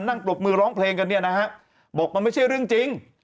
นั่งปลบมือร้องเพลงกันนะครับบอกว่ามันไม่ใช่เรื่องจริง